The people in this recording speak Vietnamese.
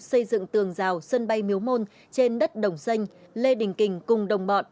xây dựng tường rào sân bay miếu môn trên đất đồng xanh lê đình kình cùng đồng bọn